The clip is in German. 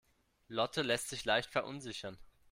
Lotte lässt sich leicht verunsichern.